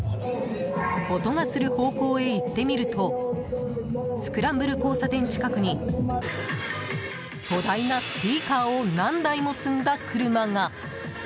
音がする方向へ行ってみるとスクランブル交差点近くに巨大なスピーカーを何台も積んだ車が。